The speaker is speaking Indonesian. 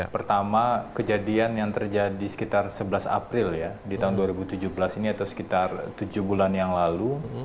pertama kejadian yang terjadi sekitar sebelas april ya di tahun dua ribu tujuh belas ini atau sekitar tujuh bulan yang lalu